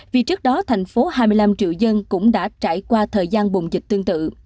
vì trước đó thành phố hai mươi năm triệu dân cũng đã trải qua thời gian bùng dịch tương tự